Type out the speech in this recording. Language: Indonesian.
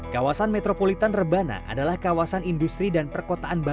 kawasan metropolitan rebana adalah kawasan industri dan perkotaan baru